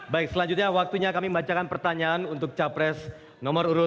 baik selanjutnya waktunya kami bacakan pertanyaan untuk capres nomor urut dua